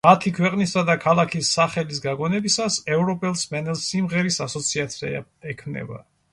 მათი ქვეყნისა და ქალაქის სახელის გაგონებისას, ევროპელ მსმენელს სიმღერის ასოციაცია ექნება.